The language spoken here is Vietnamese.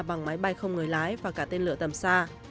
bằng máy bay không người lái và cả tên lửa tầm xa